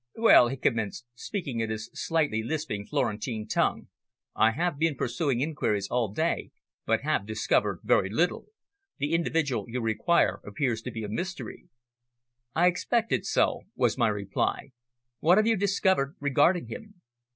"Well," he commenced, speaking in his slightly lisping Florentine tongue, "I have been pursuing inquiries all day, but have discovered very little. The individual you require appears to be a mystery." "I expected so," was my reply. "What have you discovered regarding him?"